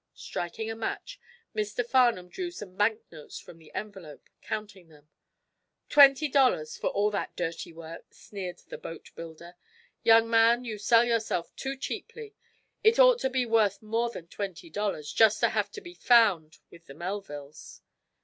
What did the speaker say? Striking a match, Mr. Farnum drew some banknotes from the envelope, counting them. "Twenty dollars, for all that dirty work," sneered the boatbuilder. "Young man, you sell yourself too cheaply. It ought to be worth more than twenty dollars, just to have to be found with the Melvilles."